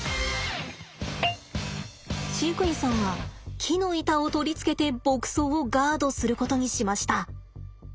飼育員さんは木の板を取り付けて牧草をガードすることにしました。